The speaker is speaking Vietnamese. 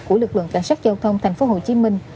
của lực lượng cảnh sát giao thông thành phố hồ chí minh